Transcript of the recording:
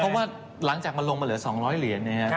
เพราะว่าหลังจากมันลงมาเหลือ๒๐๐เหรียญ